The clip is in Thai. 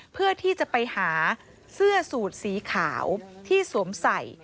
เพื่อที่จะไปหาเสื้อสูตรสีขาวที่สวมใส่